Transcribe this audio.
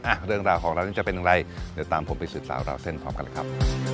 เรื่องราวของเรานั้นจะเป็นอย่างไรเดี๋ยวตามผมไปสืบสาวราวเส้นพร้อมกันเลยครับ